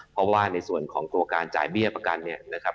เพราะว่าในส่วนของตัวการจ่ายเบี้ยประกันเนี่ยนะครับ